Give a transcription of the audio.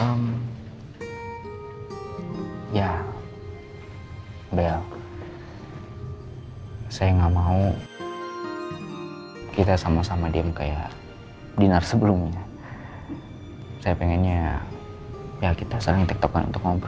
ya bel saya nggak mau kita sama sama diem kayak dinar sebelumnya saya pengennya ya kita saling tiktok untuk ngobrol